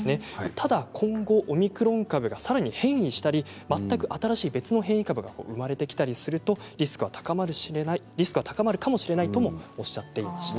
ただ今後オミクロン株がさらに変異したり全く新しい別の変異株が生まれてきたりするとリスクは高まるかもしれないともおっしゃっていました。